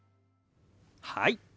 はい。